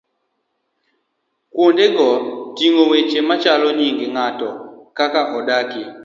Kuondego ting'o weche machalo nyinge ng'ato, kama odakie.